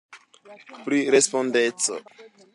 Pri respondeco.